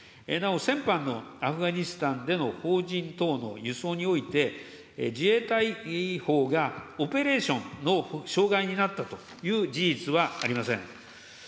なお先般のアフガニスタンでの邦人等の輸送において、自衛隊法がオペレーションの障害になったという事実はありません。